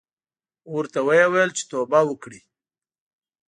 ورته ویې ویل چې توبه وکړې.